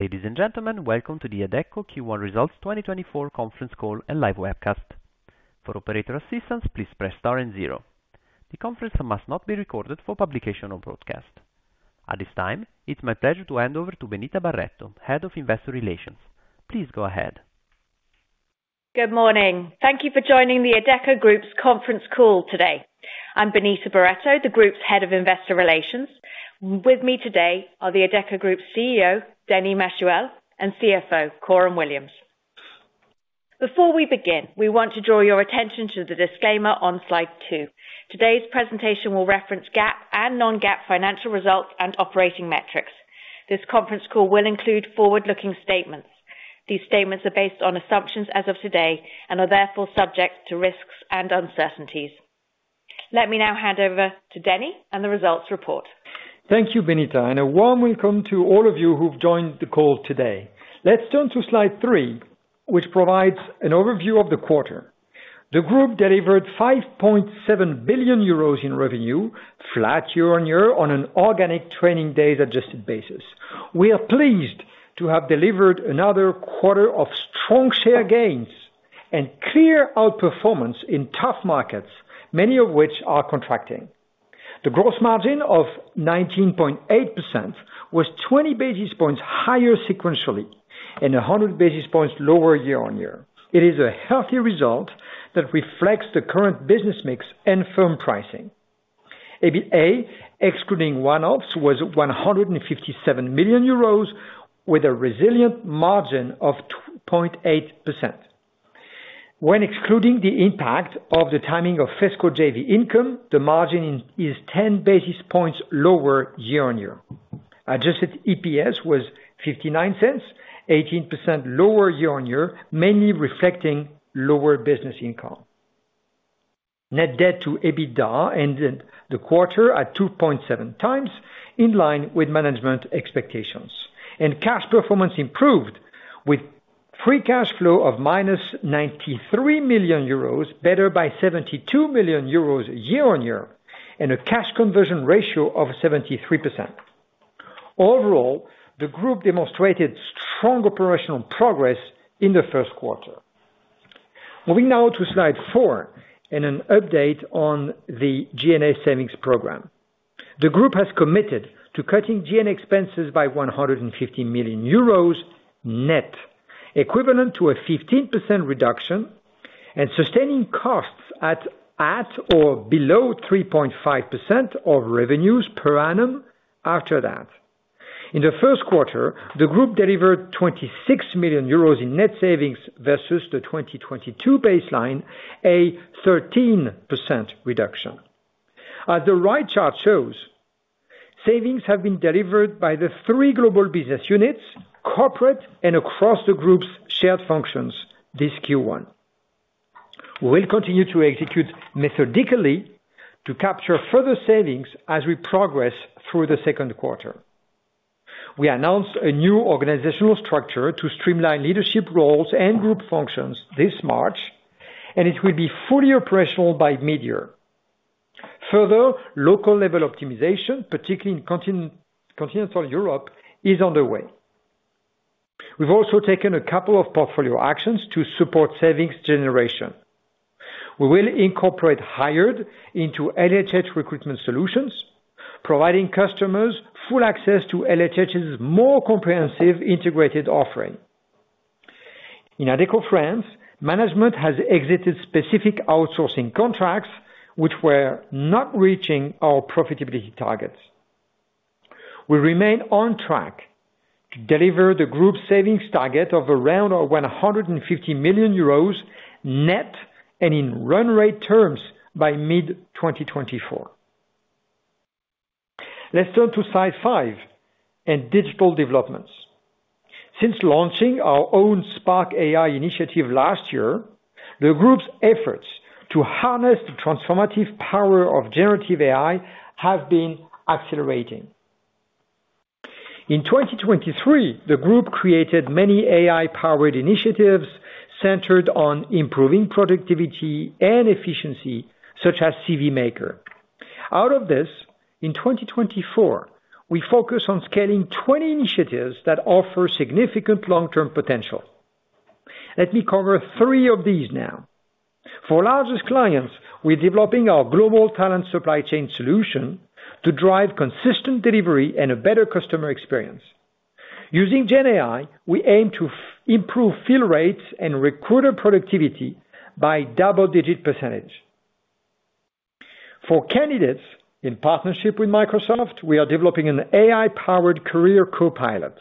Ladies and gentlemen, welcome to the Adecco Q1 Results 2024 conference call and live webcast. For operator assistance, please press star and zero. The conference must not be recorded for publication or broadcast. At this time, it's my pleasure to hand over to Benita Barretto, Head of Investor Relations. Please go ahead. Good morning. Thank you for joining the Adecco Group's conference call today. I'm Benita Barretto, the Group's Head of Investor Relations. With me today are the Adecco Group CEO, Denis Machuel, and CFO, Coram Williams. Before we begin, we want to draw your attention to the disclaimer on slide 2. Today's presentation will reference GAAP and non-GAAP financial results and operating metrics. This conference call will include forward-looking statements. These statements are based on assumptions as of today and are therefore subject to risks and uncertainties. Let me now hand over to Denis and the results report. Thank you, Benita, and a warm welcome to all of you who've joined the call today. Let's turn to slide 3, which provides an overview of the quarter. The Group delivered 5.7 billion euros in revenue, flat year-over-year, on an organic trading days-adjusted basis. We are pleased to have delivered another quarter of strong share gains and clear outperformance in tough markets, many of which are contracting. The gross margin of 19.8% was 20 basis points higher sequentially and 100 basis points lower year-over-year. It is a healthy result that reflects the current business mix and firm pricing. EBITA, excluding one-offs, was 157 million euros, with a resilient margin of 2.8%. When excluding the impact of the timing of FESCO JV income, the margin is 10 basis points lower year-over-year. Adjusted EPS was 0.59, 18% lower year-over-year, mainly reflecting lower business income. Net debt to EBITDA ended the quarter at 2.7x, in line with management expectations. Cash performance improved, with free cash flow of 93 million euros, better by 72 million euros year-over-year, and a cash conversion ratio of 73%. Overall, the Group demonstrated strong operational progress in the first quarter. Moving now to slide 4 and an update on the G&A savings program. The Group has committed to cutting G&A expenses by 150 million euros net, equivalent to a 15% reduction, and sustaining costs at or below 3.5% of revenues per annum after that. In the first quarter, the Group delivered 26 million euros in net savings versus the 2022 baseline, a 13% reduction. As the right chart shows, savings have been delivered by the three global business units, corporate, and across the Group's shared functions this Q1. We'll continue to execute methodically to capture further savings as we progress through the second quarter. We announced a new organizational structure to streamline leadership roles and group functions this March, and it will be fully operational by mid-year. Further, local-level optimization, particularly in continental Europe, is underway. We've also taken a couple of portfolio actions to support savings generation. We will incorporate Hired into LHH Recruitment Solutions, providing customers full access to LHH's more comprehensive integrated offering. In Adecco France, management has exited specific outsourcing contracts which were not reaching our profitability targets. We remain on track to deliver the Group's savings target of around 150 million euros net and in run rate terms by mid-2024. Let's turn to slide 5 and digital developments. Since launching our own Spark AI initiative last year, the Group's efforts to harness the transformative power of generative AI have been accelerating. In 2023, the Group created many AI-powered initiatives centered on improving productivity and efficiency, such as CV Maker. Out of this, in 2024, we focus on scaling 20 initiatives that offer significant long-term potential. Let me cover three of these now. For largest clients, we're developing our global talent supply chain solution to drive consistent delivery and a better customer experience. Using GenAI, we aim to improve fill rates and recruiter productivity by double-digit percentage. For candidates, in partnership with Microsoft, we are developing an AI-powered Career Copilot.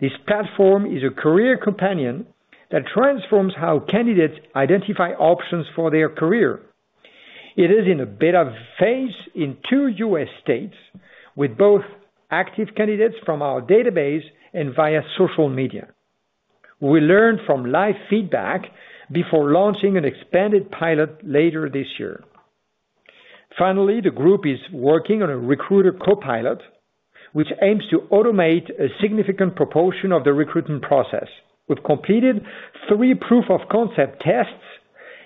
This platform is a career companion that transforms how candidates identify options for their career. It is in a beta phase in two U.S. states, with both active candidates from our database and via social media. We learned from live feedback before launching an expanded pilot later this year. Finally, the Group is working on a Recruiter Copilot, which aims to automate a significant proportion of the recruitment process. We've completed three proof-of-concept tests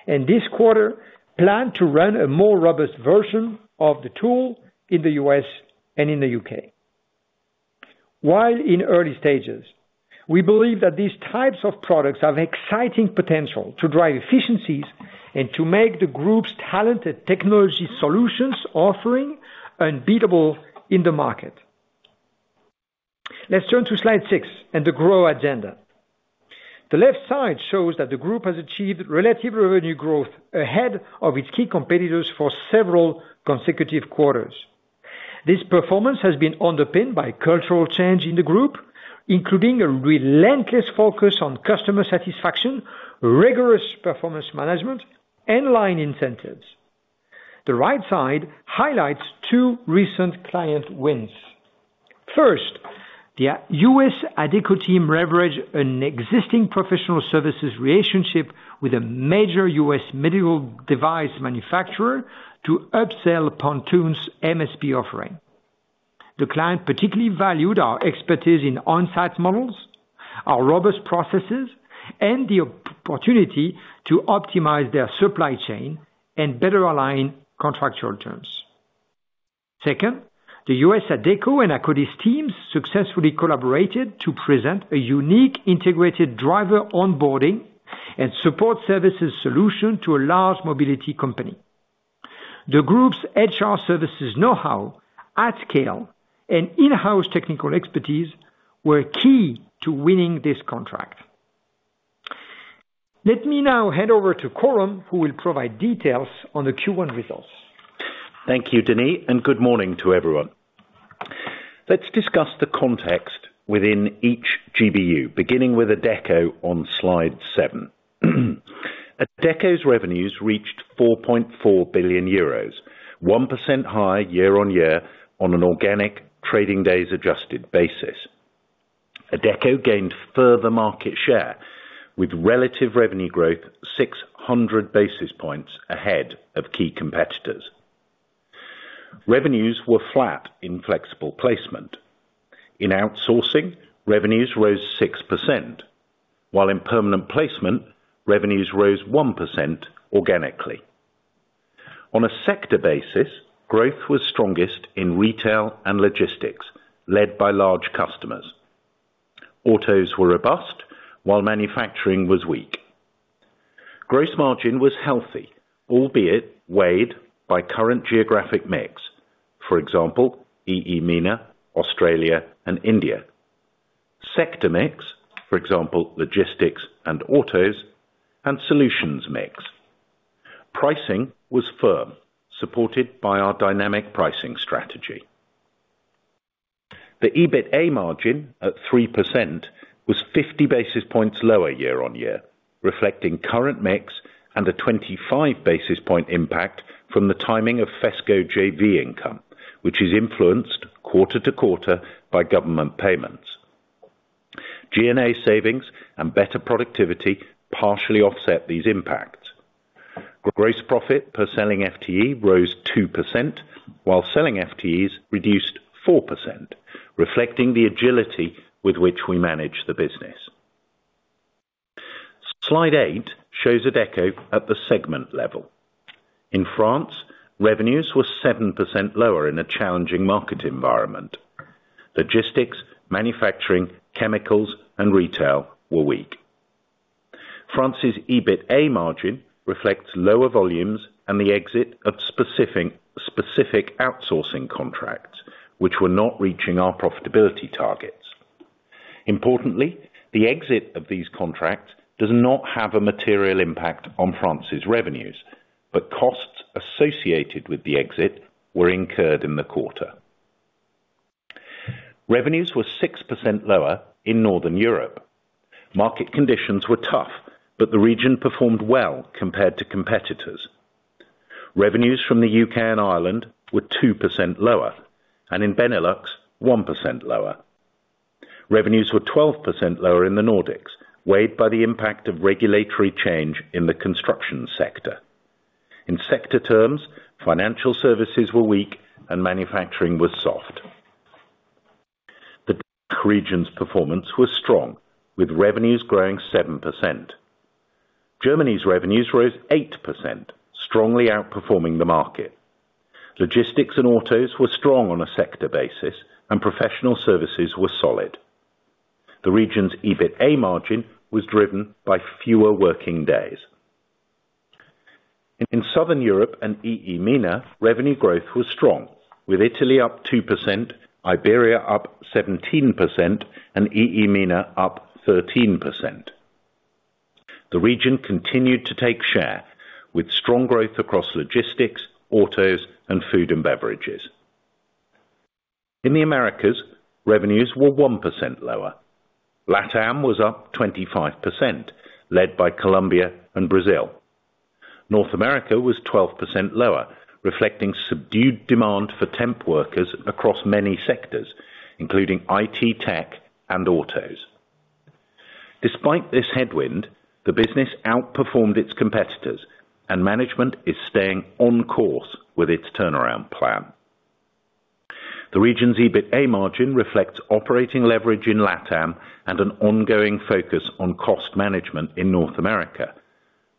and this quarter plan to run a more robust version of the tool in the U.S. and in the U.K. While in early stages, we believe that these types of products have exciting potential to drive efficiencies and to make the Group's talented technology solutions offering unbeatable in the market. Let's turn to slide 6 and the growth agenda. The left side shows that the Group has achieved relative revenue growth ahead of its key competitors for several consecutive quarters. This performance has been underpinned by cultural change in the Group, including a relentless focus on customer satisfaction, rigorous performance management, and line incentives. The right side highlights two recent client wins. First, the U.S. Adecco team leveraged an existing professional services relationship with a major U.S. medical device manufacturer to upsell Pontoon's MSP offering. The client particularly valued our expertise in on-site models, our robust processes, and the opportunity to optimize their supply chain and better align contractual terms. Second, the U.S. Adecco and Akkodis teams successfully collaborated to present a unique integrated driver onboarding and support services solution to a large mobility company. The Group's HR services know-how, at-scale, and in-house technical expertise were key to winning this contract. Let me now hand over to Coram, who will provide details on the Q1 results. Thank you, Denis, and good morning to everyone. Let's discuss the context within each GBU, beginning with Adecco on slide 7. Adecco's revenues reached 4.4 billion euros, 1% higher year-on-year on an organic trading days-adjusted basis. Adecco gained further market share, with relative revenue growth 600 basis points ahead of key competitors. Revenues were flat in flexible placement. In outsourcing, revenues rose 6%, while in permanent placement, revenues rose 1% organically. On a sector basis, growth was strongest in retail and logistics, led by large customers. Autos were robust, while manufacturing was weak. Gross margin was healthy, albeit weighed by current geographic mix (e.g., EEMENA, Australia, and India), sector mix (e.g., logistics and autos), and solutions mix. Pricing was firm, supported by our dynamic pricing strategy. The EBITA margin at 3% was 50 basis points lower year-on-year, reflecting current mix and a 25 basis point impact from the timing of FESCO JV income, which is influenced quarter-to-quarter by government payments. G&A savings and better productivity partially offset these impacts. Gross profit per selling FTE rose 2%, while selling FTEs reduced 4%, reflecting the agility with which we manage the business. Slide 8 shows Adecco at the segment level. In France, revenues were 7% lower in a challenging market environment. Logistics, manufacturing, chemicals, and retail were weak. France's EBITA margin reflects lower volumes and the exit of specific outsourcing contracts, which were not reaching our profitability targets. Importantly, the exit of these contracts does not have a material impact on France's revenues, but costs associated with the exit were incurred in the quarter. Revenues were 6% lower in northern Europe. Market conditions were tough, but the region performed well compared to competitors. Revenues from the U.K. and Ireland were 2% lower, and in Benelux, 1% lower. Revenues were 12% lower in the Nordics, weighed by the impact of regulatory change in the construction sector. In sector terms, financial services were weak and manufacturing was soft. The DACH region's performance was strong, with revenues growing 7%. Germany's revenues rose 8%, strongly outperforming the market. Logistics and autos were strong on a sector basis, and professional services were solid. The region's EBITA margin was driven by fewer working days. In Southern Europe and EEMENA, revenue growth was strong, with Italy up 2%, Iberia up 17%, and EEMENA up 13%. The region continued to take share, with strong growth across logistics, autos, and food and beverages. In the Americas, revenues were 1% lower. LATAM was up 25%, led by Colombia and Brazil. North America was 12% lower, reflecting subdued demand for temp workers across many sectors, including IT, tech, and autos. Despite this headwind, the business outperformed its competitors, and management is staying on course with its turnaround plan. The region's EBITA margin reflects operating leverage in LATAM and an ongoing focus on cost management in North America,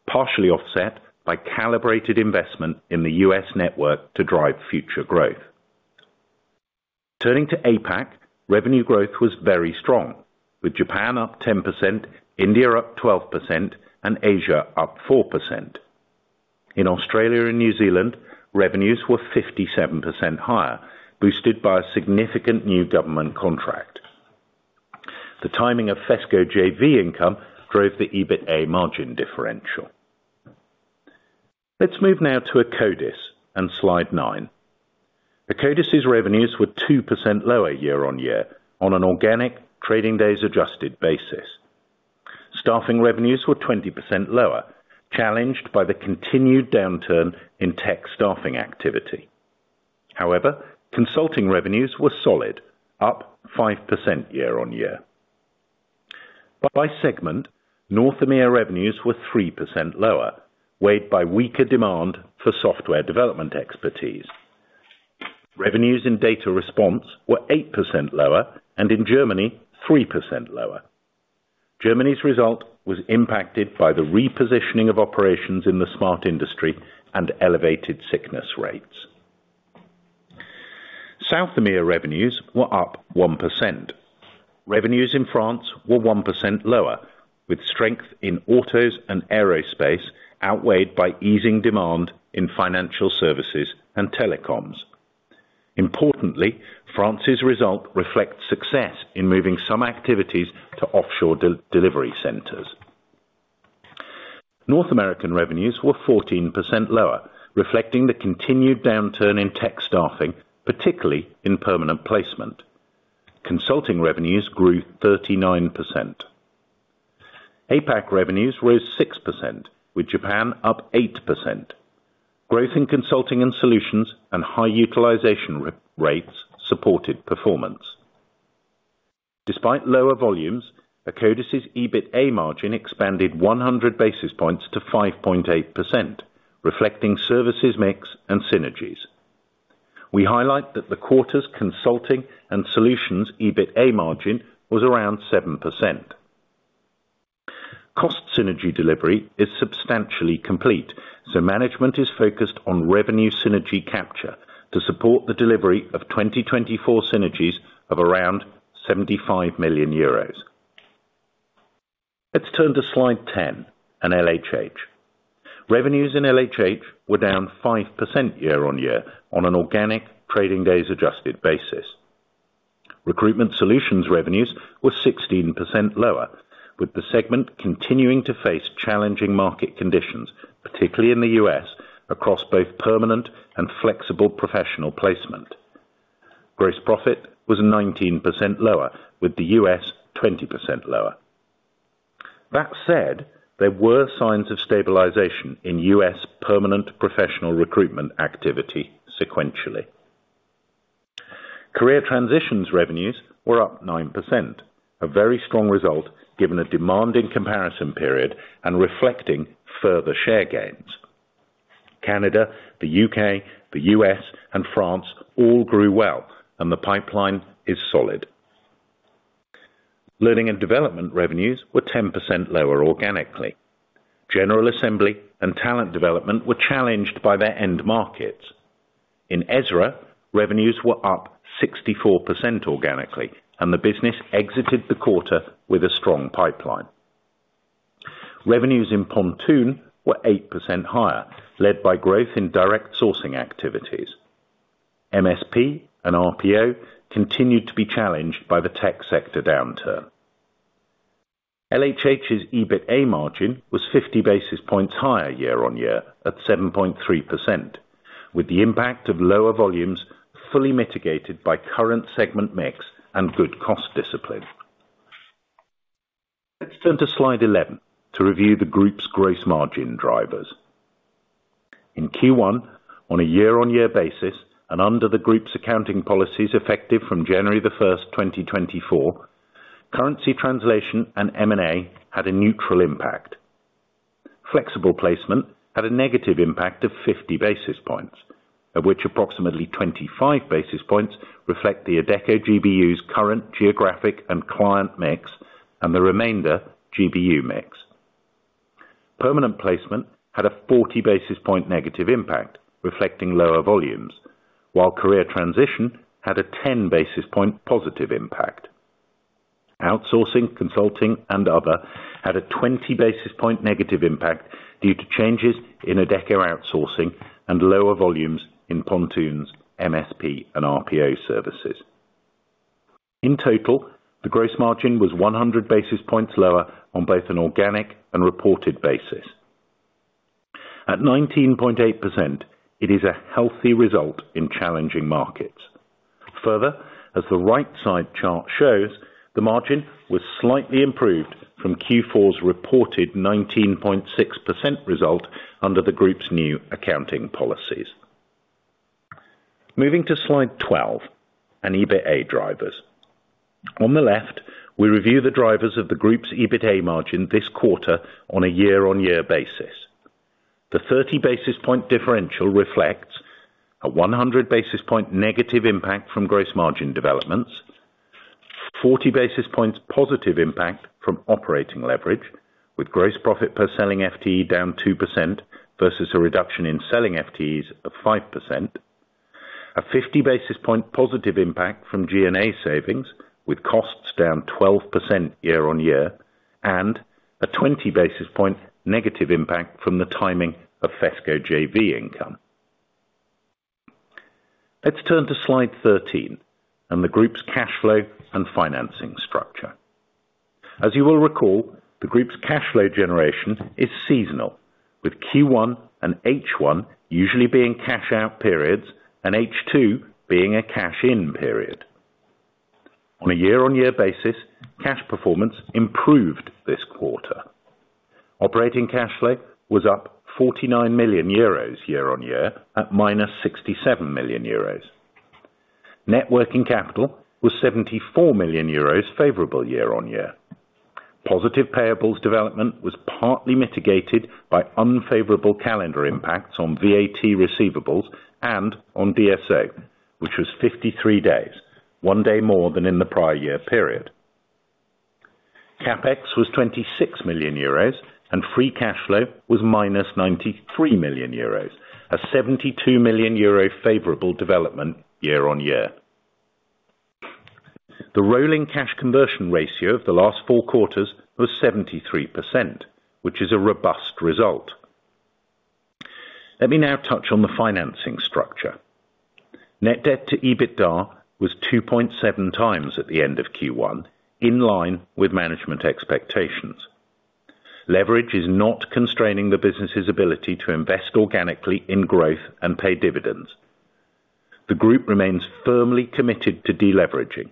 partially offset by calibrated investment in the U.S. network to drive future growth. Turning to APAC, revenue growth was very strong, with Japan up 10%, India up 12%, and Asia up 4%. In Australia and New Zealand, revenues were 57% higher, boosted by a significant new government contract. The timing of FESCO JV income drove the EBITA margin differential. Let's move now to Akkodis and slide 9. Akkodis's revenues were 2% lower year-over-year on an organic trading days-adjusted basis. Staffing revenues were 20% lower, challenged by the continued downturn in tech staffing activity. However, consulting revenues were solid, up 5% year-on-year. By segment, North America's revenues were 3% lower, weighed by weaker demand for software development expertise. Revenues in DACH were 8% lower and in Germany 3% lower. Germany's result was impacted by the repositioning of operations in the smart industry and elevated sickness rates. South America's revenues were up 1%. Revenues in France were 1% lower, with strength in autos and aerospace outweighed by easing demand in financial services and telecoms. Importantly, France's result reflects success in moving some activities to offshore delivery centres. North America's revenues were 14% lower, reflecting the continued downturn in tech staffing, particularly in permanent placement. Consulting revenues grew 39%. APAC revenues rose 6%, with Japan up 8%. Growth in consulting and solutions and high utilization rates supported performance. Despite lower volumes, Akkodis's EBITA margin expanded 100 basis points to 5.8%, reflecting services mix and synergies. We highlight that the quarter's consulting and solutions EBITA margin was around 7%. Cost synergy delivery is substantially complete, so management is focused on revenue synergy capture to support the delivery of 2024 synergies of around 75 million euros. Let's turn to slide 10 and LHH. Revenues in LHH were down 5% year-over-year on an organic trading days-adjusted basis. Recruitment solutions revenues were 16% lower, with the segment continuing to face challenging market conditions, particularly in the U.S., across both permanent and flexible professional placement. Gross profit was 19% lower, with the U.S. 20% lower. That said, there were signs of stabilization in U.S. permanent professional recruitment activity sequentially. Career transitions revenues were up 9%, a very strong result given a demanding comparison period and reflecting further share gains. Canada, the U.K., the U.S., and France all grew well, and the pipeline is solid. Learning and development revenues were 10% lower organically. General Assembly and talent development were challenged by their end markets. In Ezra, revenues were up 64% organically, and the business exited the quarter with a strong pipeline. Revenues in Pontoon were 8% higher, led by growth in direct sourcing activities. MSP and RPO continued to be challenged by the tech sector downturn. LHH's EBITA margin was 50 basis points higher year-on-year at 7.3%, with the impact of lower volumes fully mitigated by current segment mix and good cost discipline. Let's turn to slide 11 to review the Group's gross margin drivers. In Q1, on a year-on-year basis and under the Group's accounting policies effective from January 1, 2024, currency translation and M&A had a neutral impact. Flexible placement had a negative impact of 50 basis points, of which approximately 25 basis points reflect the Adecco GBU's current geographic and client mix and the remainder GBU mix. Permanent placement had a 40 basis points negative impact, reflecting lower volumes, while career transition had a 10 basis points positive impact. Outsourcing, consulting, and other had a 20 basis points negative impact due to changes in Adecco outsourcing and lower volumes in Pontoon's MSP and RPO services. In total, the gross margin was 100 basis points lower on both an organic and reported basis. At 19.8%, it is a healthy result in challenging markets. Further, as the right side chart shows, the margin was slightly improved from Q4's reported 19.6% result under the Group's new accounting policies. Moving to slide 12 and EBITA drivers. On the left, we review the drivers of the Group's EBITA margin this quarter on a year-on-year basis. The 30 basis point differential reflects a 100 basis point negative impact from gross margin developments, 40 basis points positive impact from operating leverage, with gross profit per selling FTE down 2% versus a reduction in selling FTEs of 5%, a 50 basis point positive impact from G&A savings, with costs down 12% year-on-year, and a 20 basis point negative impact from the timing of FESCO JV income. Let's turn to slide 13 and the Group's cash flow and financing structure. As you will recall, the Group's cash flow generation is seasonal, with Q1 and H1 usually being cash-out periods and H2 being a cash-in period. On a year-on-year basis, cash performance improved this quarter. Operating cash flow was up 49 million euros year-on-year at -67 million euros. Net working capital was 74 million euros favorable year-over-year. Positive payables development was partly mitigated by unfavorable calendar impacts on VAT receivables and on DSO, which was 53 days, one day more than in the prior year period. CapEx was 26 million euros and free cash flow was -93 million euros, a 72 million euro favorable development year-over-year. The rolling cash conversion ratio of the last four quarters was 73%, which is a robust result. Let me now touch on the financing structure. Net debt to EBITDA was 2.7x at the end of Q1, in line with management expectations. Leverage is not constraining the business's ability to invest organically in growth and pay dividends. The Group remains firmly committed to deleveraging,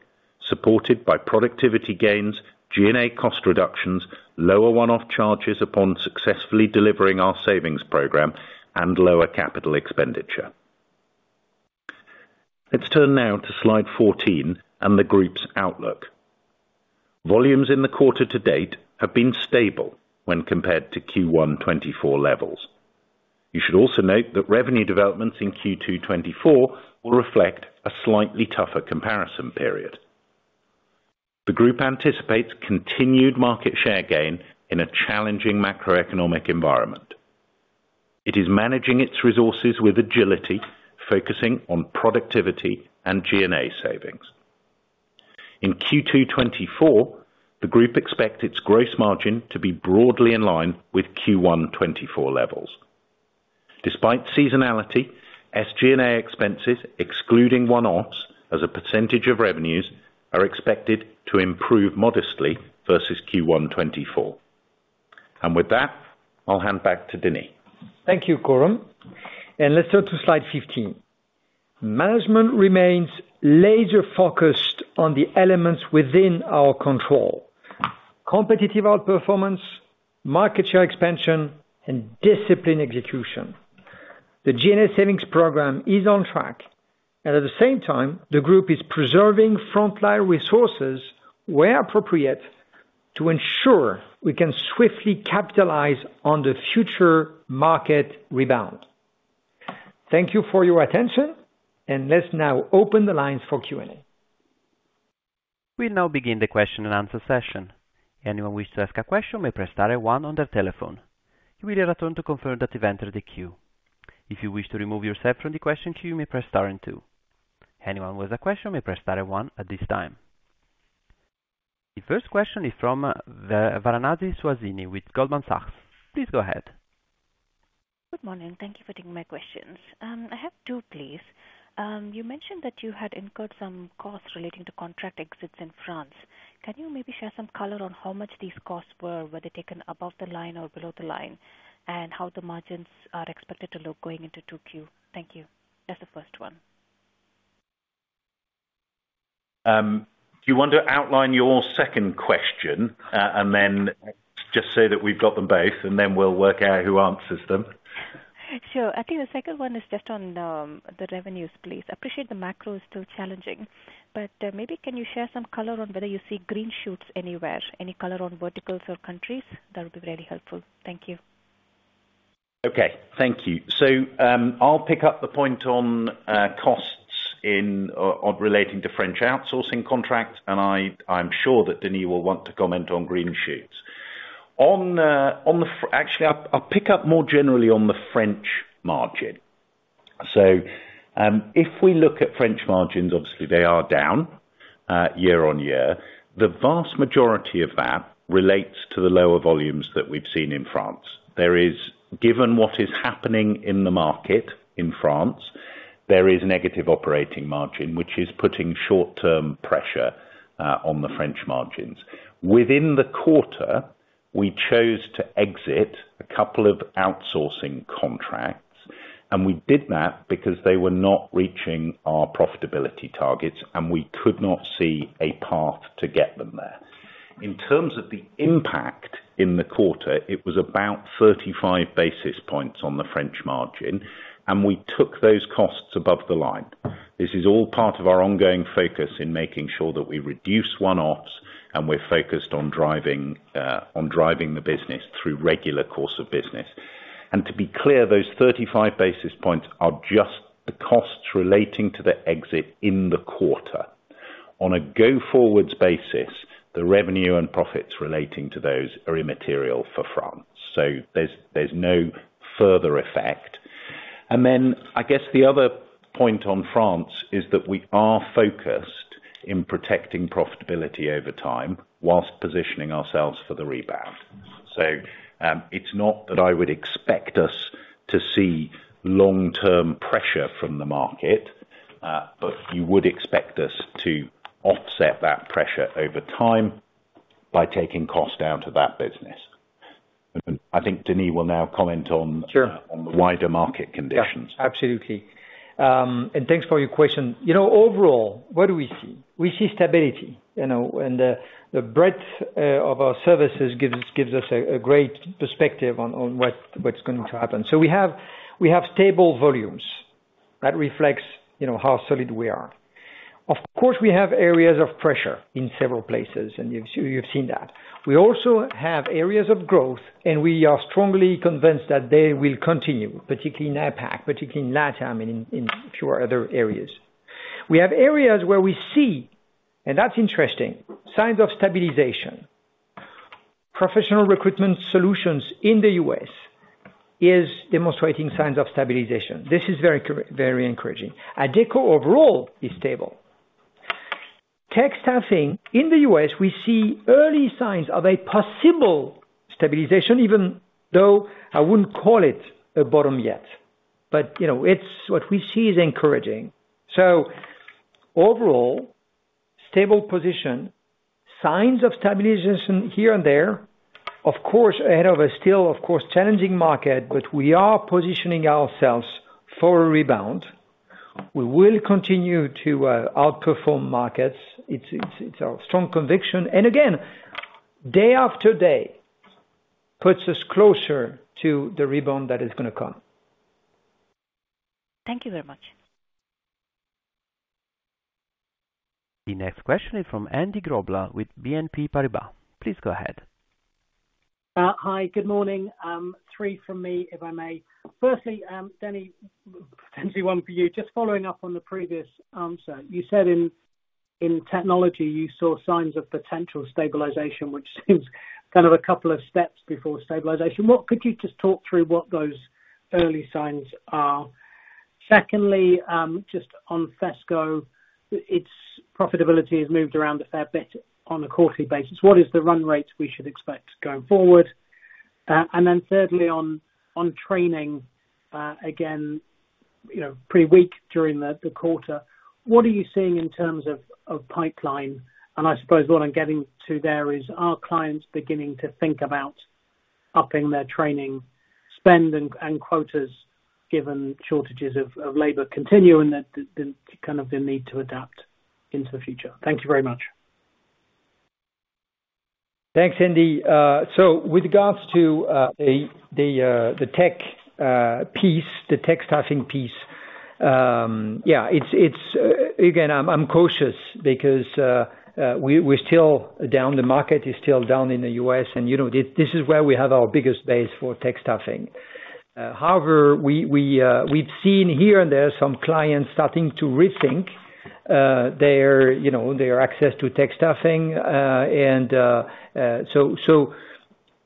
supported by productivity gains, G&A cost reductions, lower one-off charges upon successfully delivering our savings program, and lower capital expenditure. Let's turn now to slide 14 and the Group's outlook. Volumes in the quarter to date have been stable when compared to Q1 2024 levels. You should also note that revenue developments in Q2 2024 will reflect a slightly tougher comparison period. The Group anticipates continued market share gain in a challenging macroeconomic environment. It is managing its resources with agility, focusing on productivity and G&A savings. In Q2 2024, the Group expects its gross margin to be broadly in line with Q1 2024 levels. Despite seasonality, SG&A expenses, excluding one-offs as a percentage of revenues, are expected to improve modestly versus Q1/2024. With that, I'll hand back to Denis. Thank you, Coram. Let's turn to slide 15. Management remains laser-focused on the elements within our control: competitive outperformance, market share expansion, and disciplined execution. The G&A savings program is on track, and at the same time, the Group is preserving frontline resources where appropriate to ensure we can swiftly capitalize on the future market rebound. Thank you for your attention, and let's now open the lines for Q&A. We'll now begin the question and answer session. Anyone who wishes to ask a question may press star one on their telephone. You will be returned to confirm that you've entered the queue. If you wish to remove yourself from the question queue, you may press star two. Anyone who has a question may press star one at this time. The first question is from Suhasini Varanasi with Goldman Sachs. Please go ahead. Good morning. Thank you for taking my questions. I have two, please. You mentioned that you had incurred some costs relating to contract exits in France. Can you maybe share some color on how much these costs were, whether taken above the line or below the line, and how the margins are expected to look going into 2Q? Thank you. That's the first one. Do you want to outline your second question and then just say that we've got them both, and then we'll work out who answers them? Sure. I think the second one is just on the revenues, please. I appreciate the macro is still challenging, but maybe can you share some color on whether you see green shoots anywhere, any color on verticals or countries? That would be really helpful. Thank you. Okay. Thank you. I'll pick up the point on costs relating to French outsourcing contracts, and I'm sure that Denis will want to comment on green shoots. Actually, I'll pick up more generally on the French margin. If we look at French margins, obviously they are down year-on-year. The vast majority of that relates to the lower volumes that we've seen in France. Given what is happening in the market in France, there is negative operating margin, which is putting short-term pressure on the French margins. Within the quarter, we chose to exit a couple of outsourcing contracts, and we did that because they were not reaching our profitability targets, and we could not see a path to get them there. In terms of the impact in the quarter, it was about 35 basis points on the French margin, and we took those costs above the line. This is all part of our ongoing focus in making sure that we reduce one-offs, and we're focused on driving the business through regular course of business. To be clear, those 35 basis points are just the costs relating to the exit in the quarter. On a go-forward basis, the revenue and profits relating to those are immaterial for France, so there's no further effect. Then I guess the other point on France is that we are focused on protecting profitability over time while positioning ourselves for the rebound. It's not that I would expect us to see long-term pressure from the market, but you would expect us to offset that pressure over time by taking cost out of that business. I think Denis will now comment on the wider market conditions. Sure. Absolutely. Thanks for your question. Overall, what do we see? We see stability, and the breadth of our services gives us a great perspective on what's going to happen. We have stable volumes. That reflects how solid we are. Of course, we have areas of pressure in several places, and you've seen that. We also have areas of growth, and we are strongly convinced that they will continue, particularly in APAC, particularly in LATAM, and in a few other areas. We have areas where we see - and that's interesting - signs of stabilization. Professional recruitment solutions in the U.S. are demonstrating signs of stabilization. This is very encouraging. Adecco overall is stable. Tech staffing in the U.S., we see early signs of a possible stabilization, even though I wouldn't call it a bottom yet. What we see is encouraging. Overall, stable position, signs of stabilization here and there. Of course, ahead of a still, of course, challenging market, but we are positioning ourselves for a rebound. We will continue to outperform markets. It's our strong conviction. Again, day-after-day puts us closer to the rebound that is going to come. Thank you very much. The next question is from Andy Grobler with BNP Paribas. Please go ahead. Hi. Good morning. Three from me, if I may. Firstly, Denis, potentially one for you. Just following up on the previous answer. You said in technology you saw signs of potential stabilization, which seems kind of a couple of steps before stabilization. Could you just talk through what those early signs are? Secondly, just on FESCO, profitability has moved around a fair bit on a quarterly basis. What is the run rate we should expect going forward? Then thirdly, on training, again, pretty weak during the quarter. What are you seeing in terms of pipeline? I suppose what I'm getting to there is are clients beginning to think about upping their training spend and quotas given shortages of labor continue and kind of the need to adapt into the future? Thank you very much. Thanks, Andy. With regards to the tech piece, the tech staffing piece, yeah, again, I'm cautious because we're still down. The market is still down in the U.S., and this is where we have our biggest base for tech staffing. However, we've seen here and there some clients starting to rethink their access to tech staffing.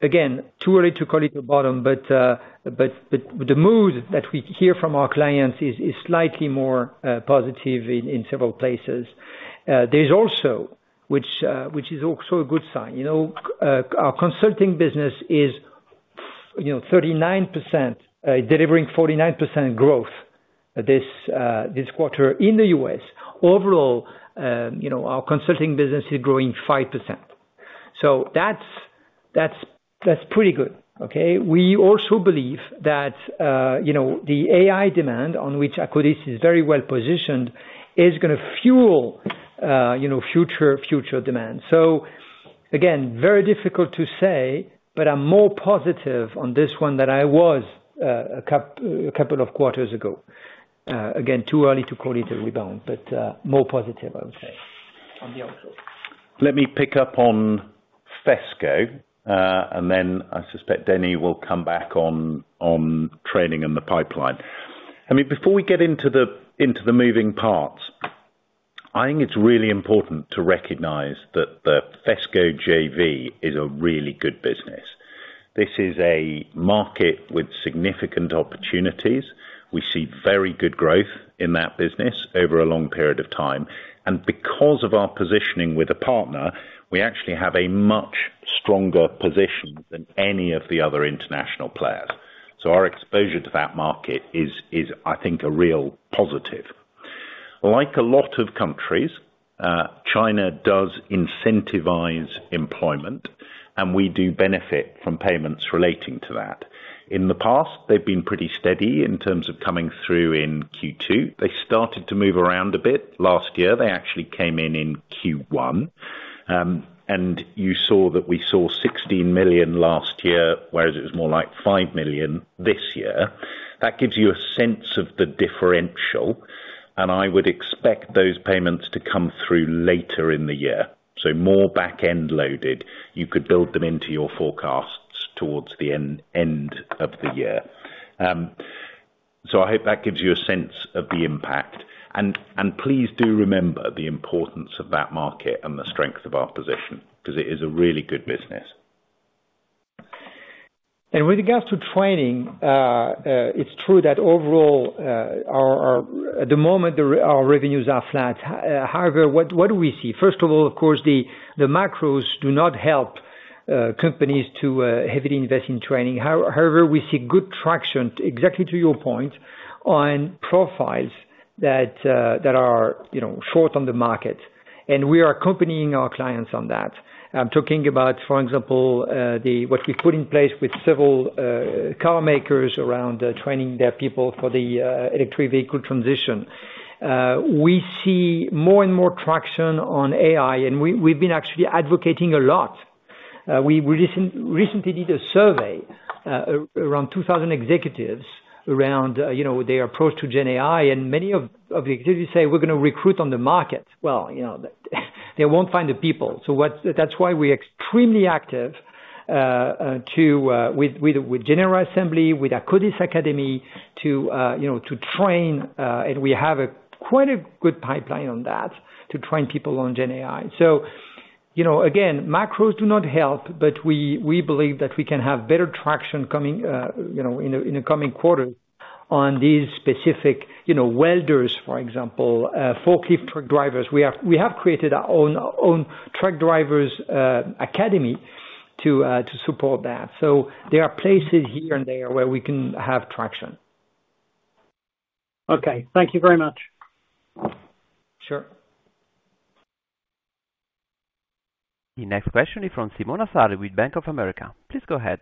Again, too early to call it a bottom, but the mood that we hear from our clients is slightly more positive in several places. There's also, which is also a good sign. Our Consulting business is delivering 49% growth this quarter in the U.S. Overall, our Consulting business is growing 5%. That's pretty good. Okay? We also believe that the AI demand on which Akkodis is very well positioned is going to fuel future demand. Again, very difficult to say, but I'm more positive on this one than I was a couple of quarters ago. Again, too early to call it a rebound, but more positive, I would say, on the outlook. Let me pick up on FESCO, and then I suspect Denis will come back on training and the pipeline. I mean, before we get into the moving parts, I think it's really important to recognize that the FESCO JV is a really good business. This is a market with significant opportunities. We see very good growth in that business over a long period of time, because of our positioning with a partner, we actually have a much stronger position than any of the other international players. Our exposure to that market is, I think, a real positive. Like a lot of countries, China does incentivize employment, and we do benefit from payments relating to that. In the past, they've been pretty steady in terms of coming through in Q2. They started to move around a bit. Last year, they actually came in in Q1. And you saw that we saw 16 million last year, whereas it was more like 5 million this year. That gives you a sense of the differential, and I would expect those payments to come through later in the year. More backend loaded, you could build them into your forecasts towards the end of the year. I hope that gives you a sense of the impact. Please do remember the importance of that market and the strength of our position because it is a really good business. With regards to training, it's true that overall, at the moment, our revenues are flat. However, what do we see? First of all, of course, the macros do not help companies to heavily invest in training. However, we see good traction, exactly to your point, on profiles that are short on the market, and we are accompanying our clients on that. I'm talking about, for example, what we've put in place with several carmakers around training their people for the electric vehicle transition. We see more and more traction on AI, and we've been actually advocating a lot. We recently did a survey around 2,000 executives around their approach to GenAI, and many of the executives say, "We're going to recruit on the market." Well, they won't find the people. That's why we're extremely active with General Assembly, with Akkodis Academy, to train, and we have quite a good pipeline on that to train people on GenAI. Again, macros do not help, but we believe that we can have better traction in the coming quarters on these specific welders, for example, forklift truck drivers. We have created our own Truck Drivers Academy to support that. There are places here and there where we can have traction. Okay. Thank you very much. Sure. The next question is from Simona Sarli with Bank of America. Please go ahead.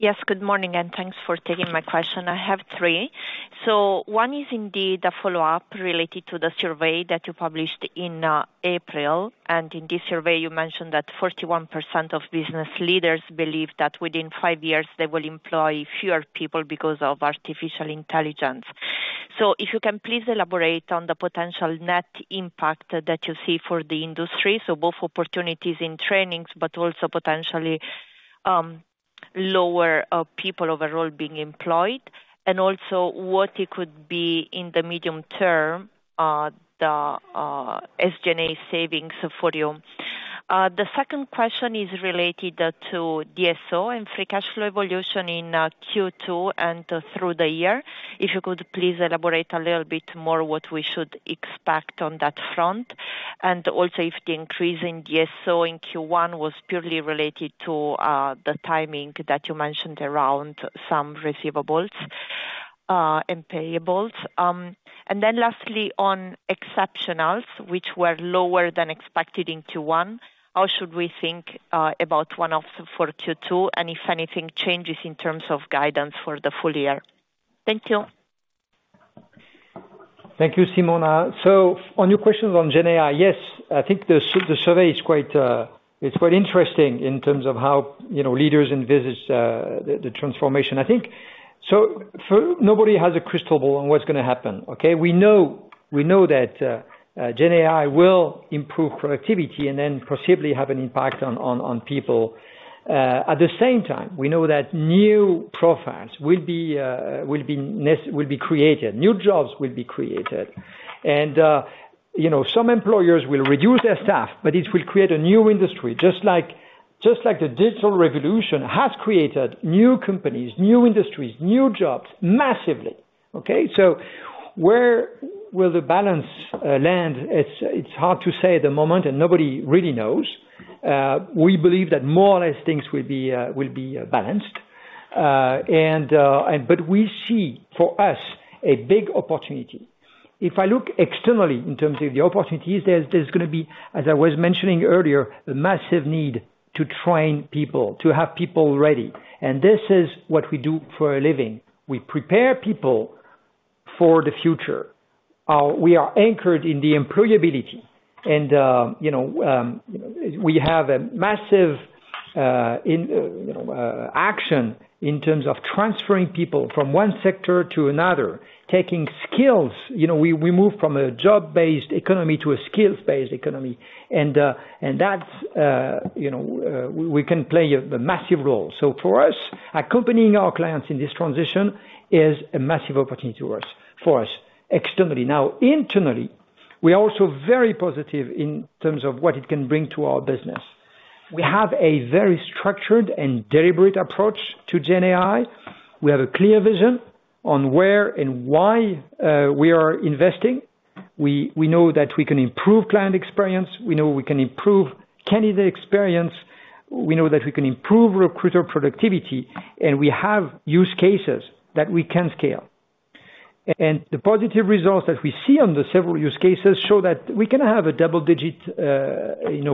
Yes. Good morning, and thanks for taking my question. I have three. One is indeed a follow-up related to the survey that you published in April. In this survey, you mentioned that 41% of business leaders believe that within five years, they will employ fewer people because of artificial intelligence. if you can please elaborate on the potential net impact that you see for the industry, so both opportunities in trainings but also potentially lower people overall being employed, and also what it could be in the medium term, the SG&A savings for you. The second question is related to DSO and free cash flow evolution in Q2 and through the year. If you could please elaborate a little bit more what we should expect on that front, and also if the increase in DSO in Q1 was purely related to the timing that you mentioned around some receivables and payables. Then lastly, on exceptionals, which were lower than expected in Q1, how should we think about one-offs for Q2, and if anything changes in terms of guidance for the full year? Thank you. Thank you, Simona. On your questions on GenAI, yes, I think the survey is quite interesting in terms of how leaders envisage the transformation. Nobody has a crystal ball on what's going to happen. Okay? We know that GenAI will improve productivity and then possibly have an impact on people. At the same time, we know that new profiles will be created. New jobs will be created. Some employers will reduce their staff, but it will create a new industry, just like the digital revolution has created new companies, new industries, new jobs massively. Okay? Where will the balance land? It's hard to say at the moment, and nobody really knows. We believe that more or less things will be balanced. We see, for us, a big opportunity. If I look externally in terms of the opportunities, there's going to be, as I was mentioning earlier, a massive need to train people, to have people ready. This is what we do for a living. We prepare people for the future. We are anchored in the employability, and we have a massive action in terms of transferring people from one sector to another, taking skills. We move from a job-based economy to a skills-based economy, and we can play a massive role. For us, accompanying our clients in this transition is a massive opportunity for us externally. Now, internally, we are also very positive in terms of what it can bring to our business. We have a very structured and deliberate approach to GenAI. We have a clear vision on where and why we are investing. We know that we can improve client experience. We know we can improve candidate experience. We know that we can improve recruiter productivity, and we have use cases that we can scale. the positive results that we see on the several use cases show that we can have a double-digit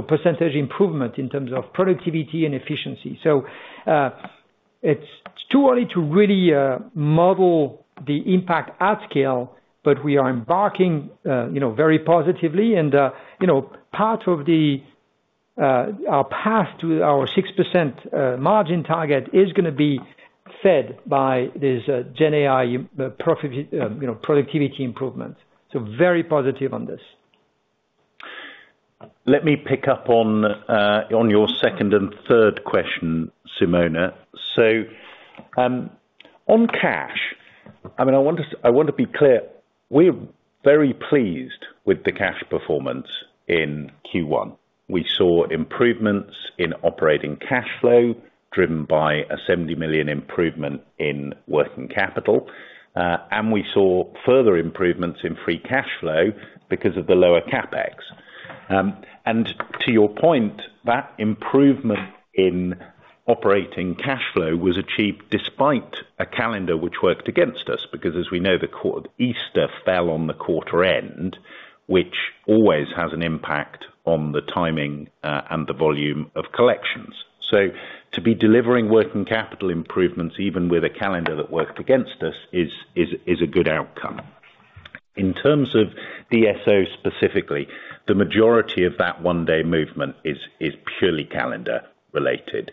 percentage improvement in terms of productivity and efficiency. It's too early to really model the impact at scale, but we are embarking very positively, and part of our path to our 6% margin target is going to be fed by this GenAI productivity improvement. Very positive on this. Let me pick up on your second and third question, Simona. On cash, I mean, I want to be clear. We're very pleased with the cash performance in Q1. We saw improvements in operating cash flow driven by a 70 million improvement in working capital, and we saw further improvements in free cash flow because of the lower CapEx. To your point, that improvement in operating cash flow was achieved despite a calendar which worked against us because, as we know, Easter fell on the quarter end, which always has an impact on the timing and the volume of collections. To be delivering working capital improvements even with a calendar that worked against us is a good outcome. In terms of DSO specifically, the majority of that one-day movement is purely calendar-related.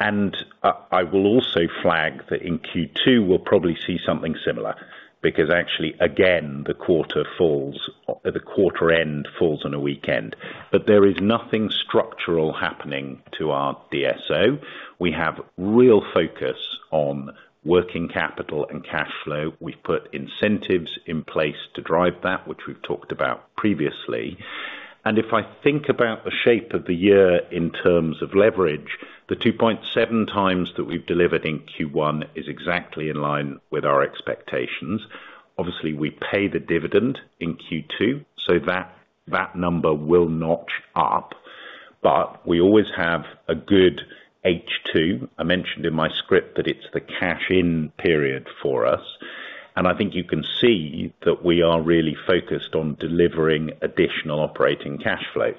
I will also flag that in Q2, we'll probably see something similar because actually, again, the quarter end falls on a weekend. There is nothing structural happening to our DSO. We have real focus on working capital and cash flow. We've put incentives in place to drive that, which we've talked about previously. If I think about the shape of the year in terms of leverage, the 2.7x that we've delivered in Q1 is exactly in line with our expectations. Obviously, we pay the dividend in Q2, so that number will notch up, but we always have a good H2. I mentioned in my script that it's the cash-in period for us, and I think you can see that we are really focused on delivering additional operating cash flow.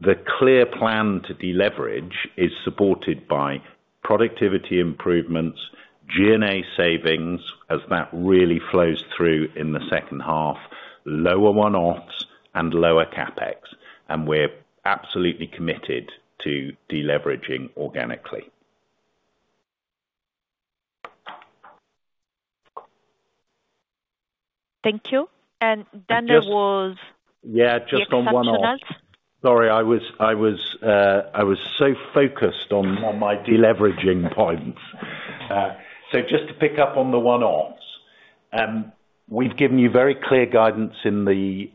The clear plan to deleverage is supported by productivity improvements, G&A savings as that really flows through in the second half, lower one-offs, and lower CapEx. And we're absolutely committed to deleveraging organically. Thank you. Then that was exceptional. Yeah. Just on one-offs. Sorry. I was so focused on my deleveraging points. Just to pick up on the one-offs, we've given you very clear guidance in the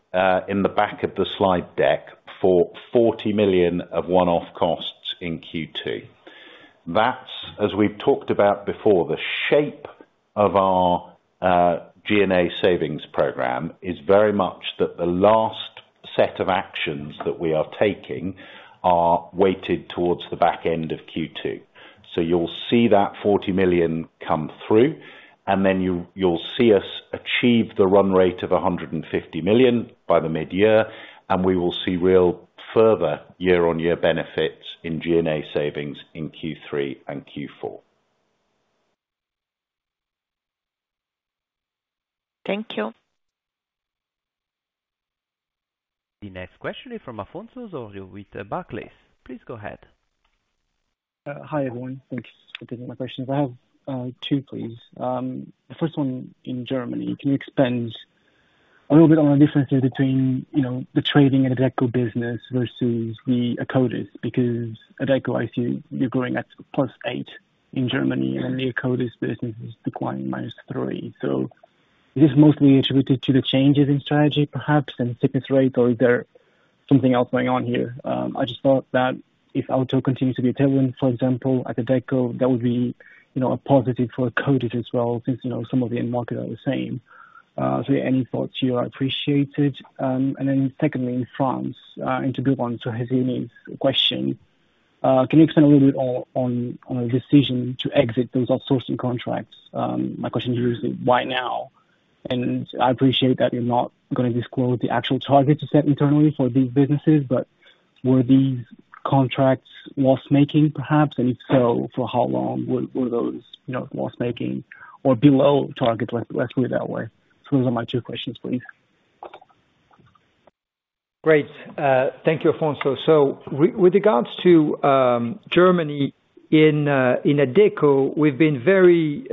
back of the slide deck for 40 million of one-off costs in Q2. That's, as we've talked about before, the shape of our G&A savings program is very much that the last set of actions that we are taking are weighted towards the back end of Q2. You'll see that 40 million come through, and then you'll see us achieve the run rate of 150 million by the mid-year, and we will see real further year-on-year benefits in G&A savings in Q3 and Q4. Thank you. The next question is from Afonso Osorio with Barclays. Please go ahead. Hi, everyone. Thank you for taking my questions. I have two, please. The first one in Germany. Can you expand a little bit on the differences between the trading and Adecco business versus the Akkodis? Because Adecco, I see you're growing at +8% in Germany, and then the Akkodis business is declining -3%. Is this mostly attributed to the changes in strategy, perhaps, and sickness rate, or is there something else going on here? I just thought that if Auto continues to be a tailwind, for example, at Adecco, that would be a positive for Akkodis as well since some of the end market are the same. Yeah, any thoughts here? I appreciate it. Then secondly, in France, and to build on to Suhasini's question, can you expand a little bit on a decision to exit those outsourcing contracts? My question here is why now? I appreciate that you're not going to disclose the actual target to set internally for these businesses, but were these contracts loss-making, perhaps? If so, for how long were those loss-making or below target? Let's put it that way. Those are my two questions, please. Great. Thank you, Afonso. With regards to Germany, in Adecco, we've been very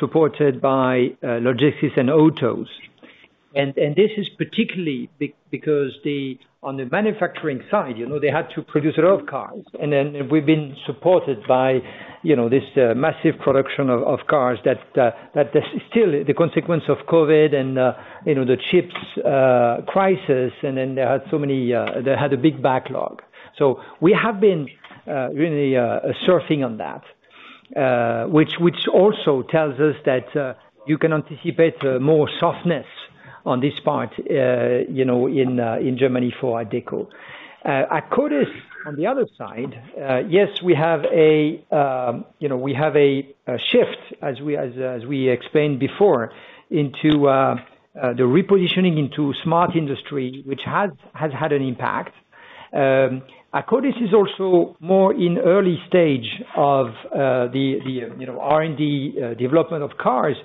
supported by Logistics and Autos. This is particularly because on the manufacturing side, they had to produce a lot of cars, and then we've been supported by this massive production of cars that's still the consequence of COVID and the chips crisis, and then they had so many, they had a big backlog. We have been really surfing on that, which also tells us that you can anticipate more softness on this part in Germany for Adecco. Akkodis, on the other side, yes, we have a shift, as we explained before, into the repositioning into smart industry, which has had an impact. Akkodis is also more in early stage of the R&D development of cars.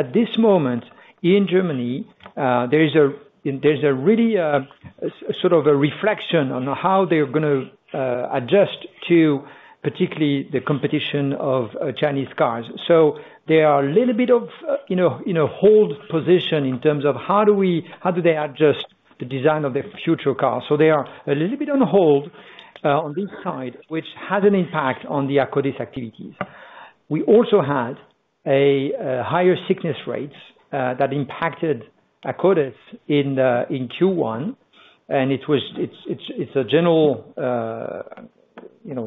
At this moment, in Germany, there's a really sort of a reflection on how they're going to adjust to particularly the competition of Chinese cars. They are a little bit of in a hold position in terms of how do they adjust the design of their future car? They are a little bit on hold on this side, which has an impact on the Akkodis activities. We also had higher sickness rates that impacted Akkodis in Q1, and it's a general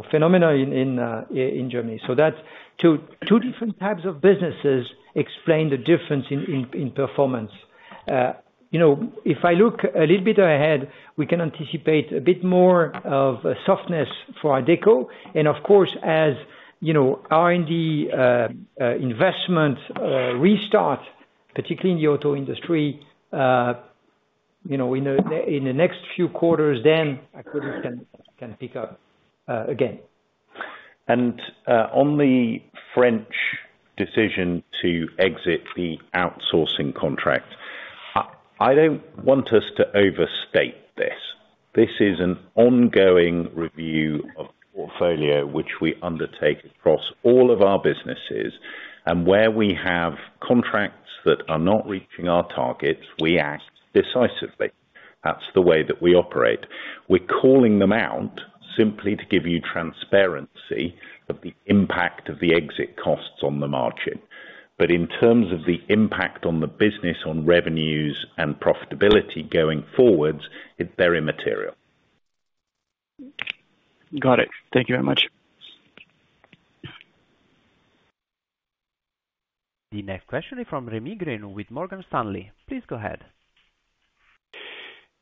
phenomenon in Germany. Two different types of businesses explain the difference in performance. If I look a little bit ahead, we can anticipate a bit more of softness for Adecco. Of course, as R&D investment restarts, particularly in the auto industry, in the next few quarters, then Akkodis can pick up again. On the French decision to exit the outsourcing contract, I don't want us to overstate this. This is an ongoing review of portfolio, which we undertake across all of our businesses. Where we have contracts that are not reaching our targets, we act decisively. That's the way that we operate. We're calling them out simply to give you transparency of the impact of the exit costs on the margin. In terms of the impact on the business, on revenues and profitability going forwards, it's very material. Got it. Thank you very much. The next question is from Rémi Grenu with Morgan Stanley. Please go ahead.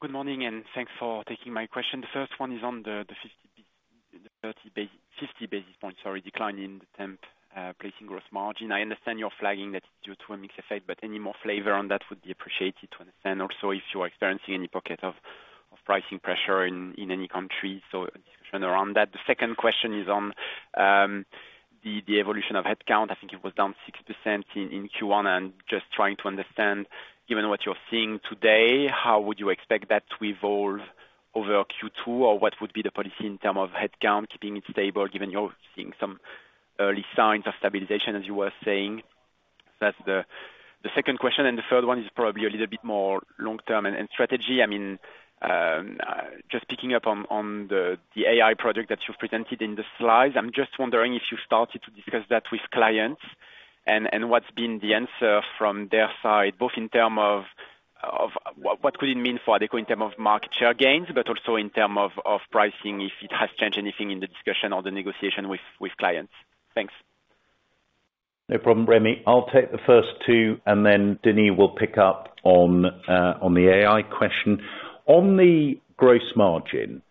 Good morning, and thanks for taking my question. The first one is on the 50 basis points, sorry, decline in the temp placing gross margin. I understand you're flagging that it's due to a mixed effect, but any more flavor on that would be appreciated to understand. Also, if you are experiencing any pocket of pricing pressure in any country, so a discussion around that. The second question is on the evolution of headcount. I think it was down 6% in Q1. Just trying to understand, given what you're seeing today, how would you expect that to evolve over Q2, or what would be the policy in terms of headcount, keeping it stable given you're seeing some early signs of stabilization, as you were saying? That's the second question. the third one is probably a little bit more long-term and strategy. I mean, just picking up on the AI project that you've presented in the slides, I'm just wondering if you started to discuss that with clients and what's been the answer from their side, both in terms of what could it mean for Adecco in terms of market share gains, but also in terms of pricing if it has changed anything in the discussion or the negotiation with clients? Thanks. No problem, Rémi. I'll take the first two, and then Denis will pick up on the AI question. On the gross margin,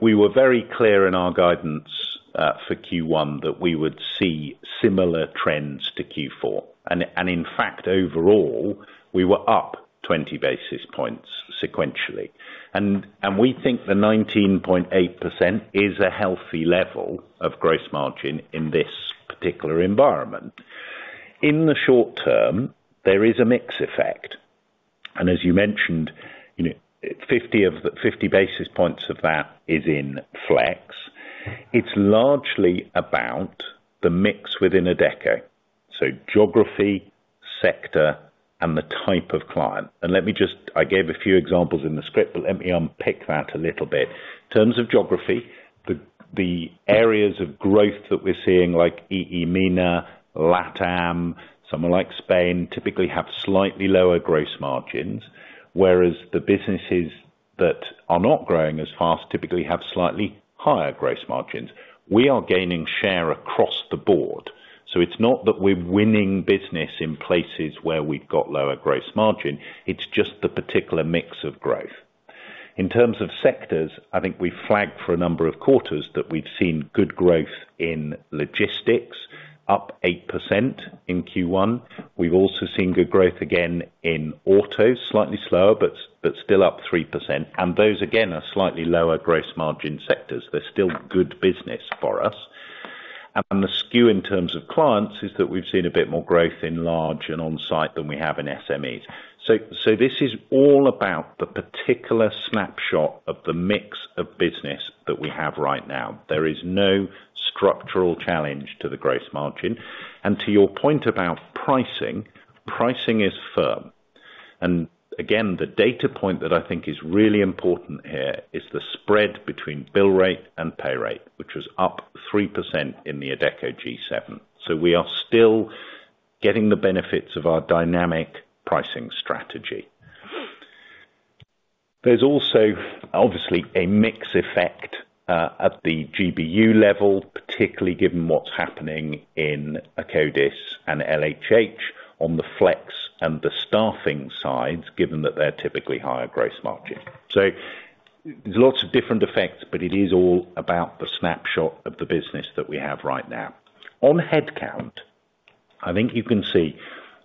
we were very clear in our guidance for Q1 that we would see similar trends to Q4. In fact, overall, we were up 20 basis points sequentially. We think the 19.8% is a healthy level of gross margin in this particular environment. In the short term, there is a mix effect. As you mentioned, 50 basis points of that is in flex. It's largely about the mix within Adecco, so geography, sector, and the type of client. I gave a few examples in the script, but let me unpick that a little bit. In terms of geography, the areas of growth that we're seeing, like EEMENA, LATAM, somewhere like Spain, typically have slightly lower gross margins, whereas the businesses that are not growing as fast typically have slightly higher gross margins. We are gaining share across the board. It's not that we're winning business in places where we've got lower gross margin. It's just the particular mix of growth. In terms of sectors, I think we flagged for a number of quarters that we've seen good growth in logistics, up 8% in Q1. We've also seen good growth again in auto, slightly slower, but still up 3%. Those, again, are slightly lower gross margin sectors. They're still good business for us. The skew in terms of clients is that we've seen a bit more growth in large and on-site than we have in SMEs. This is all about the particular snapshot of the mix of business that we have right now. There is no structural challenge to the gross margin. To your point about pricing, pricing is firm. Again, the data point that I think is really important here is the spread between bill rate and pay rate, which was up 3% in the Adecco G7. We are still getting the benefits of our dynamic pricing strategy. There's also, obviously, a mix effect at the GBU level, particularly given what's happening in Akkodis and LHH on the flex and the staffing sides, given that they're typically higher gross margin. There's lots of different effects, but it is all about the snapshot of the business that we have right now. On headcount, I think you can see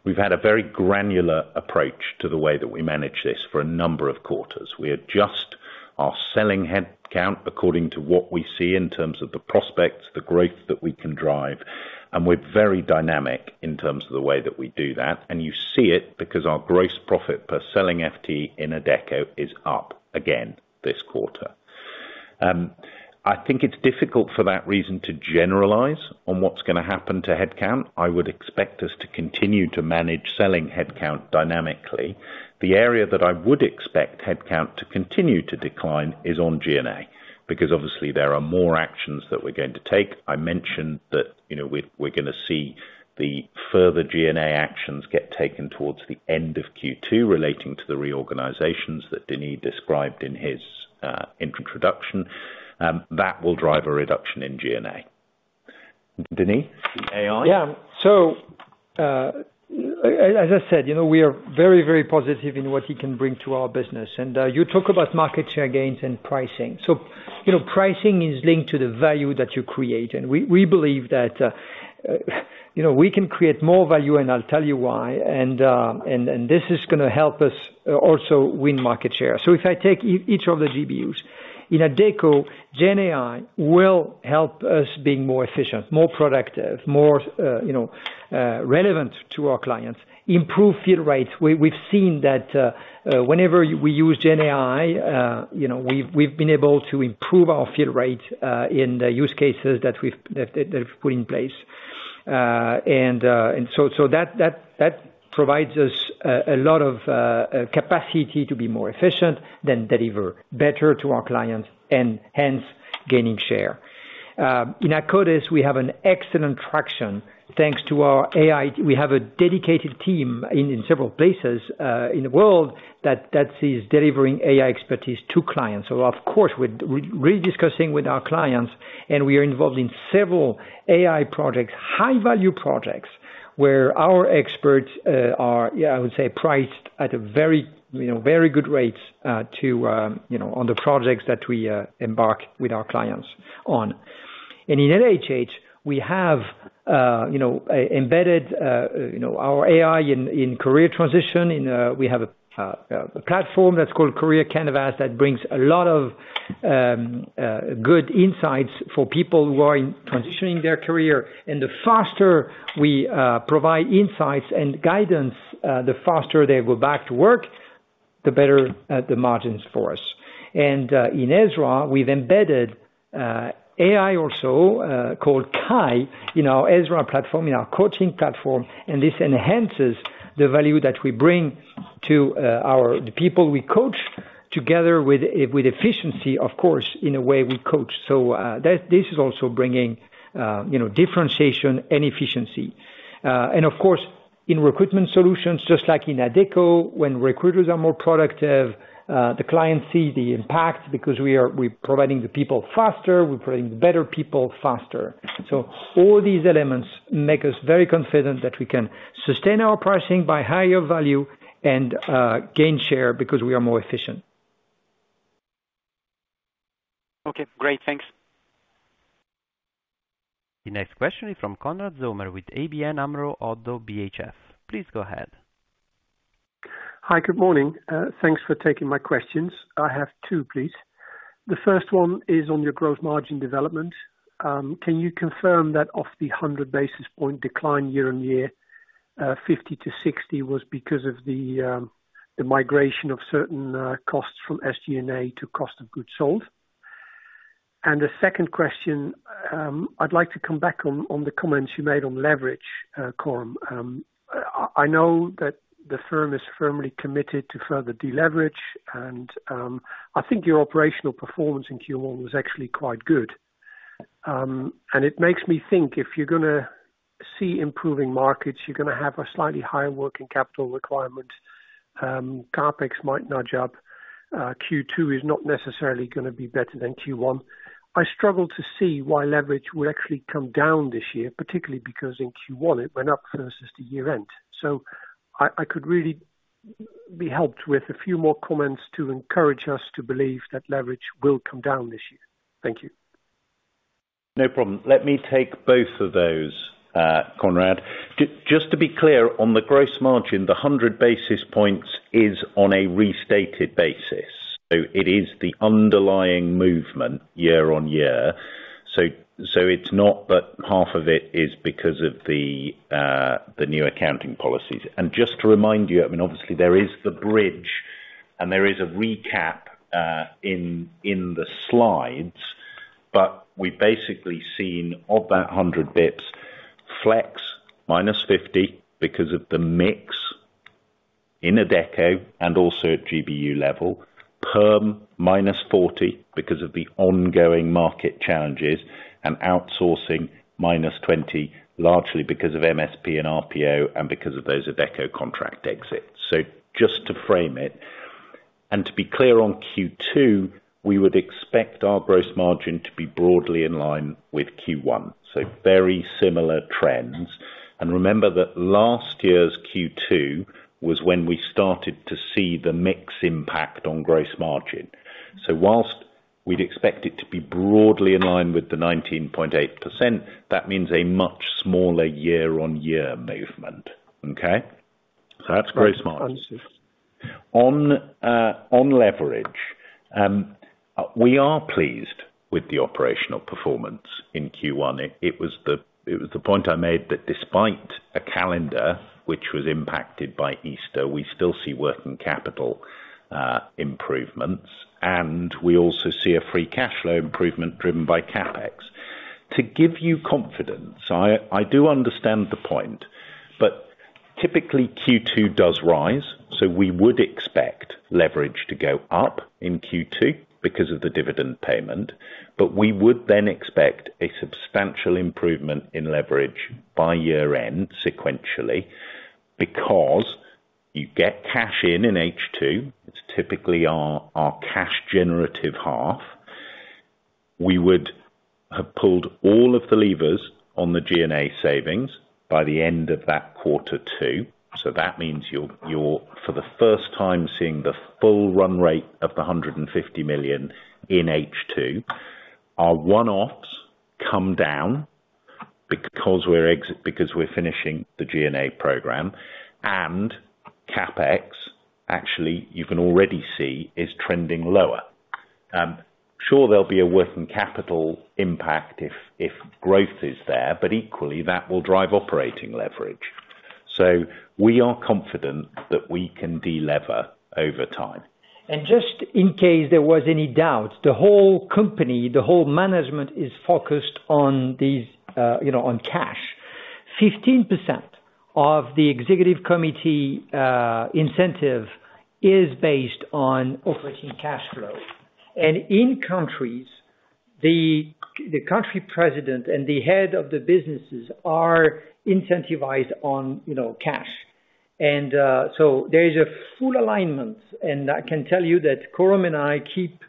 we've had a very granular approach to the way that we manage this for a number of quarters. We adjust our selling headcount according to what we see in terms of the prospects, the growth that we can drive, and we're very dynamic in terms of the way that we do that. You see it because our gross profit per selling FT in Adecco is up again this quarter. I think it's difficult for that reason to generalize on what's going to happen to headcount. I would expect us to continue to manage selling headcount dynamically. The area that I would expect headcount to continue to decline is on G&A because, obviously, there are more actions that we're going to take. I mentioned that we're going to see the further G&A actions get taken towards the end of Q2 relating to the reorganizations that Denis described in his introduction. That will drive a reduction in G&A. Denis, the AI? Yeah. As I said, we are very, very positive in what he can bring to our business. You talk about market share gains and pricing. Pricing is linked to the value that you create. We believe that we can create more value, and I'll tell you why. This is going to help us also win market share. If I take each of the GBUs, in Adecco, GenAI will help us being more efficient, more productive, more relevant to our clients, improve bill rates. We've seen that whenever we use GenAI, we've been able to improve our bill rates in the use cases that we've put in place. That provides us a lot of capacity to be more efficient, then deliver better to our clients, and hence gaining share. In Akkodis, we have an excellent traction thanks to our AI. We have a dedicated team in several places in the world that is delivering AI expertise to clients. Of course, we're rediscussing with our clients, and we are involved in several AI projects, high-value projects, where our experts are, I would say, priced at very good rates on the projects that we embark with our clients on. In LHH, we have embedded our AI in career transition. We have a platform that's called Career Canvas that brings a lot of good insights for people who are transitioning their career. The faster we provide insights and guidance, the faster they go back to work, the better the margins for us. In Ezra, we've embedded AI also called Cai, Ezra platform in our coaching platform. This enhances the value that we bring to the people we coach together with efficiency, of course, in a way we coach. This is also bringing differentiation and efficiency. Of course, in recruitment solutions, just like in Adecco, when recruiters are more productive, the client sees the impact because we're providing the people faster. We're providing the better people faster. All these elements make us very confident that we can sustain our pricing by higher value and gain share because we are more efficient. Okay. Great. Thanks. The next question is from Konrad Zomer with ABN AMRO. Please go ahead. Hi. Good morning. Thanks for taking my questions. I have two, please. The first one is on your gross margin development. Can you confirm that off the 100 basis point decline year-on-year, 50-60 was because of the migration of certain costs from SG&A to cost of goods sold? The second question, I'd like to come back on the comments you made on leverage, Coram. I know that the firm is firmly committed to further deleverage. I think your operational performance in Q1 was actually quite good. It makes me think if you're going to see improving markets, you're going to have a slightly higher working capital requirement. CapEx might nudge up. Q2 is not necessarily going to be better than Q1. I struggle to see why leverage would actually come down this year, particularly because in Q1, it went up versus the year-end. I could really be helped with a few more comments to encourage us to believe that leverage will come down this year? Thank you. No problem. Let me take both of those, Konrad. Just to be clear, on the gross margin, the 100 basis points is on a restated basis. It is the underlying movement year-over-year. It's not that half of it is because of the new accounting policies. Just to remind you, I mean, obviously, there is the bridge, and there is a recap in the slides. We've basically seen, of that 100 basis points, flex -50 because of the mix in Adecco and also at GBU level, perm -40 because of the ongoing market challenges, and outsourcing -20 largely because of MSP and RPO and because of those Adecco contract exits. Just to frame it, and to be clear on Q2, we would expect our gross margin to be broadly in line with Q1. Very similar trends. Remember that last year's Q2 was when we started to see the mix impact on gross margin. Whilst we'd expect it to be broadly in line with the 19.8%, that means a much smaller year-on-year movement. Okay? That's gross margin. On leverage, we are pleased with the operational performance in Q1. It was the point I made that despite a calendar which was impacted by Easter, we still see working capital improvements. We also see a free cash flow improvement driven by CapEx. To give you confidence, I do understand the point. Typically, Q2 does rise. So we would expect leverage to go up in Q2 because of the dividend payment. We would then expect a substantial improvement in leverage by year-end sequentially because you get cash in in H2. It's typically our cash-generative half. We would have pulled all of the levers on the G&A savings by the end of that quarter too. That means you're, for the first time, seeing the full run rate of the 150 million in H2. Our one-offs come down because we're finishing the G&A program. CapEx, actually, you can already see, is trending lower. Sure, there'll be a working capital impact if growth is there, but equally, that will drive operating leverage. We are confident that we can delever over time. Just in case there was any doubt, the whole company, the whole management is focused on cash. 15% of the executive committee incentive is based on operating cash flow. In countries, the country president and the head of the businesses are incentivized on cash. There is a full alignment. I can tell you that Coram and I keep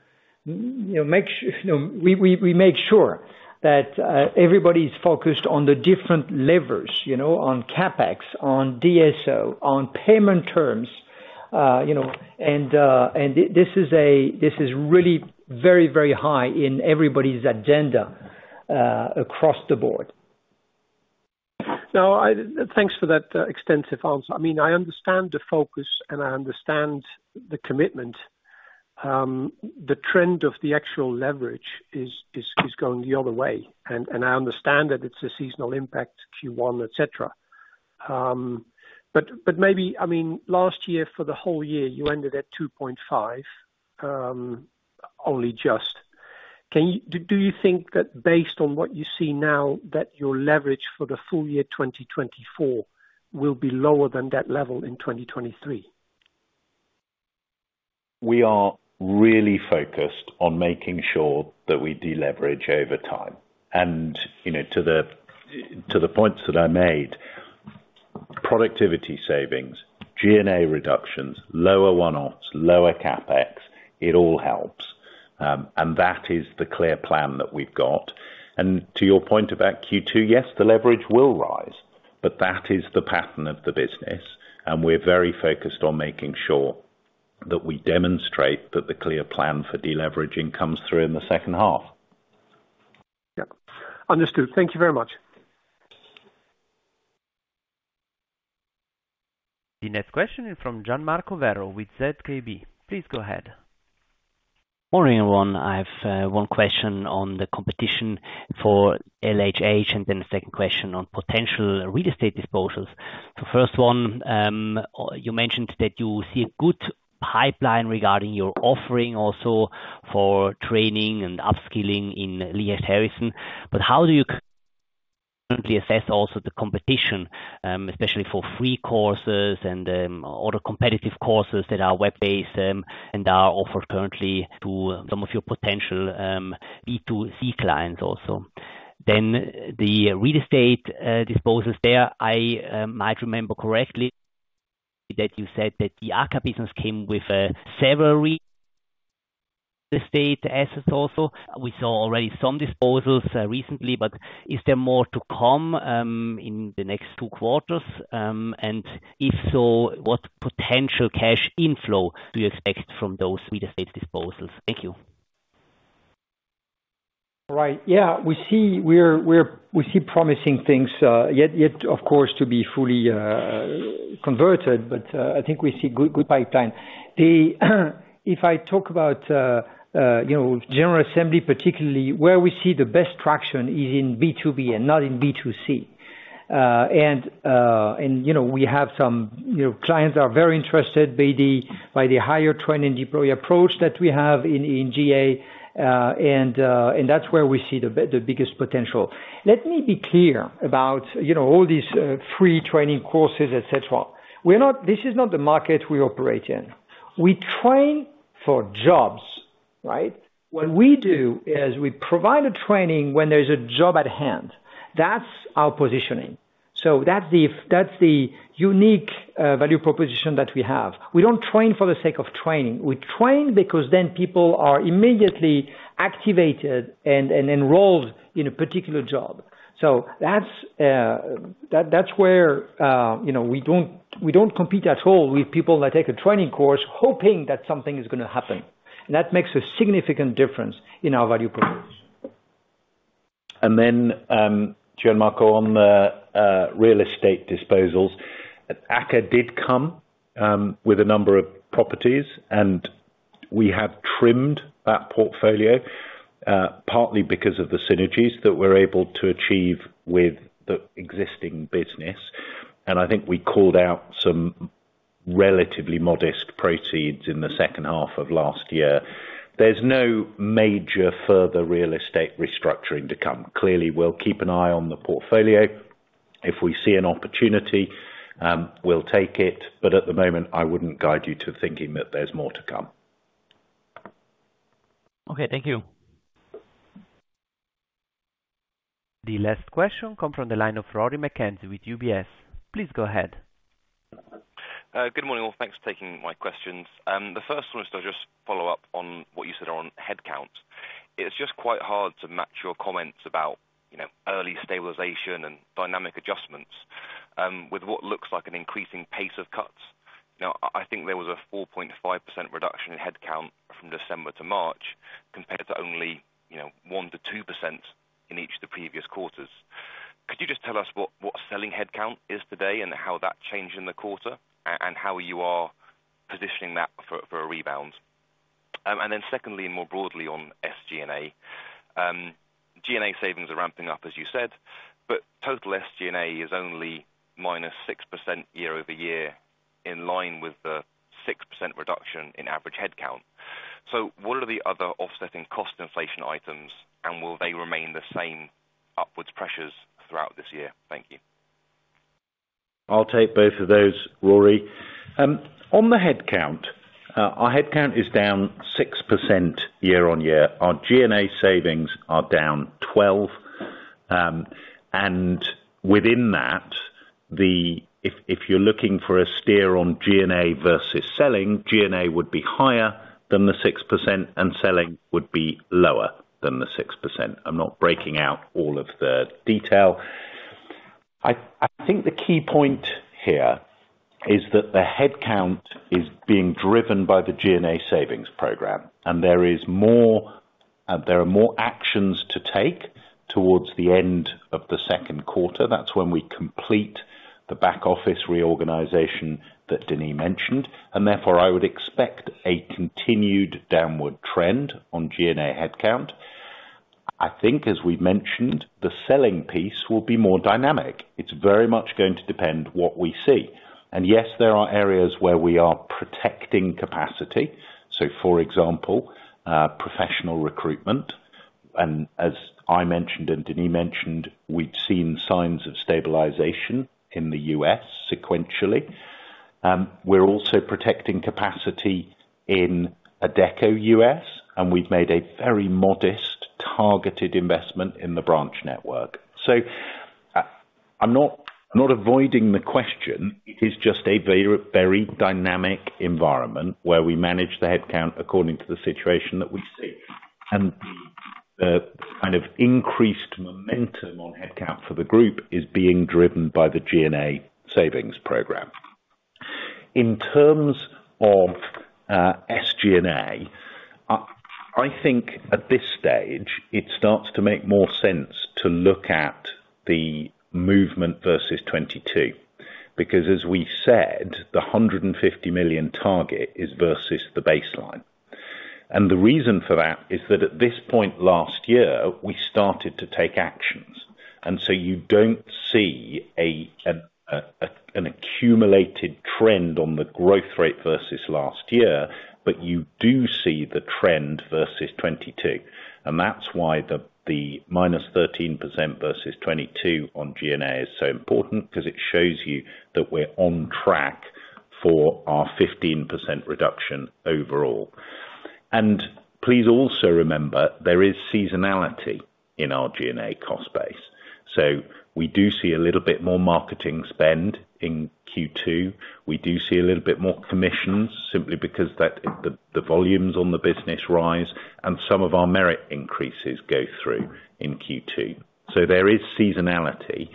making sure we make sure that everybody's focused on the different levers, on CapEx, on DSO, on payment terms. This is really very, very high in everybody's agenda across the board. Now, thanks for that extensive answer. I mean, I understand the focus, and I understand the commitment. The trend of the actual leverage is going the other way. I understand that it's a seasonal impact, Q1, etc. Maybe, I mean, last year, for the whole year, you ended at 2.5 only just. Do you think that based on what you see now, that your leverage for the full year 2024 will be lower than that level in 2023? We are really focused on making sure that we deleverage over time. To the points that I made, productivity savings, G&A reductions, lower one-offs, lower CapEx, it all helps. That is the clear plan that we've got. To your point about Q2, yes, the leverage will rise. That is the pattern of the business. We're very focused on making sure that we demonstrate that the clear plan for deleveraging comes through in the second half. Yep. Understood. Thank you very much. The next question is from Gian Marco Werro with ZKB. Please go ahead. Morning, everyone. I have one question on the competition for LHH. Then a second question on potential real estate disposals. First one, you mentioned that you see a good pipeline regarding your offering also for training and upskilling in LHH. How do you currently assess also the competition, especially for free courses and other competitive courses that are web-based and are offered currently to some of your potential B2C clients also? Then the real estate disposals, there, I might remember correctly that you said that the AKKA business came with several real estate assets also. We saw already some disposals recently. Is there more to come in the next two quarters? If so, what potential cash inflow do you expect from those real estate disposals? Thank you. Right. Yeah. We see promising things yet, of course, to be fully converted. I think we see a good pipeline. If I talk about General Assembly, particularly, where we see the best traction is in B2B and not in B2C. We have some clients who are very interested maybe by the Hire-Train-Deploy approach that we have in GA. That's where we see the biggest potential. Let me be clear about all these free training courses, etc. This is not the market we operate in. We train for jobs. Right? What we do is we provide a training when there's a job at hand. That's our positioning. That's the unique value proposition that we have. We don't train for the sake of training. We train because the people are immediately activated and enrolled in a particular job. That's where we don't compete at all with people that take a training course hoping that something is going to happen. That makes a significant difference in our value proposition. Then, Gian Marco, on the real estate disposals, Adecco did come with a number of properties. We have trimmed that portfolio partly because of the synergies that we're able to achieve with the existing business. I think we called out some relatively modest proceeds in the second half of last year. There's no major further real estate restructuring to come. Clearly, we'll keep an eye on the portfolio. If we see an opportunity, we'll take it. At the moment, I wouldn't guide you to thinking that there's more to come. Okay. Thank you. The last question comes from the line of Rory McKenzie with UBS. Please go ahead. Good morning, all. Thanks for taking my questions. The first one is to just follow up on what you said on headcount. It's just quite hard to match your comments about early stabilization and dynamic adjustments with what looks like an increasing pace of cuts. I think there was a 4.5% reduction in headcount from December to March compared to only 1%-2% in each of the previous quarters. Could you just tell us what selling headcount is today and how that changed in the quarter and how you are positioning that for a rebound? Then secondly, more broadly on SG&A, G&A savings are ramping up, as you said. Total SG&A is only -6% year-over-year in line with the 6% reduction in average headcount. What are the other offsetting cost inflation items? Will they remain the same upwards pressures throughout this year? Thank you. I'll take both of those, Rory. On the headcount, our headcount is down 6% year-over-year. Our G&A savings are down 12. Within that, if you're looking for a steer on G&A versus selling, G&A would be higher than the 6%, and selling would be lower than the 6%. I'm not breaking out all of the detail. I think the key point here is that the headcount is being driven by the G&A savings program. There are more actions to take towards the end of the second quarter. That's when we complete the back-office reorganization that Denis mentioned. Therefore, I would expect a continued downward trend on G&A headcount. I think, as we've mentioned, the selling piece will be more dynamic. It's very much going to depend what we see. Yes, there are areas where we are protecting capacity. For example, professional recruitment. As I mentioned and Denis mentioned, we'd seen signs of stabilization in the U.S. sequentially. We're also protecting capacity in Adecco U.S. We've made a very modest targeted investment in the branch network. I'm not avoiding the question. It is just a very dynamic environment where we manage the headcount according to the situation that we see. The kind of increased momentum on headcount for the group is being driven by the G&A savings program. In terms of SG&A, I think at this stage, it starts to make more sense to look at the movement versus 2022 because, as we said, the 150 million target is versus the baseline. The reason for that is that at this point last year, we started to take actions. You don't see an accumulated trend on the growth rate versus last year, but you do see the trend versus 2022. That's why the -13% versus 2022 on G&A is so important because it shows you that we're on track for our 15% reduction overall. Please also remember, there is seasonality in our G&A cost base. We do see a little bit more marketing spend in Q2. We do see a little bit more commissions simply because the volumes on the business rise and some of our merit increases go through in Q2. There is seasonality.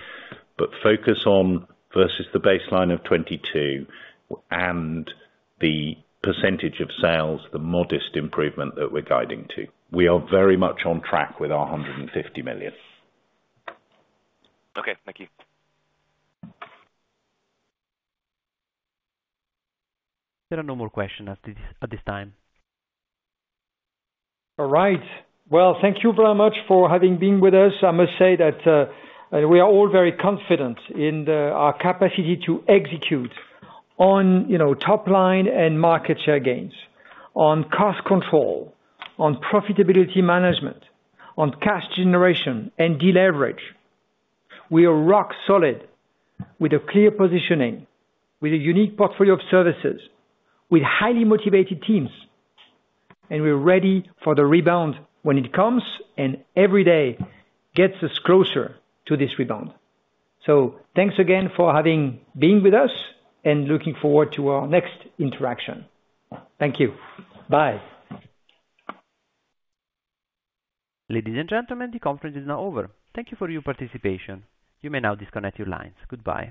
Focus on versus the baseline of 2022 and the percentage of sales, the modest improvement that we're guiding to. We are very much on track with our 150 million. Okay. Thank you. There are no more questions at this time. All right. Well, thank you very much for having been with us. I must say that we are all very confident in our capacity to execute on top-line and market share gains, on cost control, on profitability management, on cash generation, and deleverage. We are rock solid with a clear positioning, with a unique portfolio of services, with highly motivated teams. We're ready for the rebound when it comes and every day gets us closer to this rebound. Thanks again for having been with us and looking forward to our next interaction. Thank you. Bye. Ladies and gentlemen, the conference is now over. Thank you for your participation. You may now disconnect your lines. Goodbye.